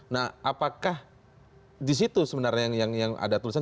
nah apakah disitu sebenarnya yang ada tulisan